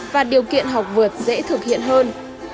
và điều kiện học vượt dễ thực hiện hơn